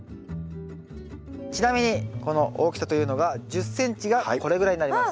ちなみにこの大きさというのが１０ｃｍがこれぐらいになります。